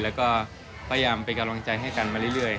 แล้วก็พยายามเป็นกำลังใจให้กันมาเรื่อย